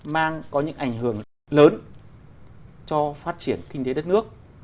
mang có những ảnh hưởng lớn cho phát triển kinh tế đất nước